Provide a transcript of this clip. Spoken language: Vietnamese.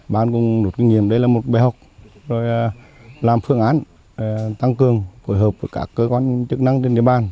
ban cũng rút kinh nghiệm đây là một bài học làm phương án tăng cường phối hợp với các cơ quan chức năng trên địa bàn